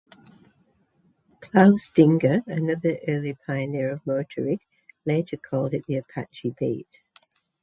Klaus Dinger, another early pioneer of motorik, later called it the "Apache beat".